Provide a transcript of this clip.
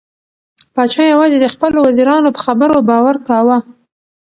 پاچا یوازې د خپلو وزیرانو په خبرو باور کاوه.